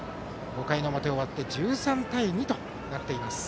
５回の表終わって１３対２となっています。